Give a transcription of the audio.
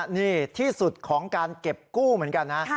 นี่ที่สุดของการเก็บกู้เหมือนกันนะ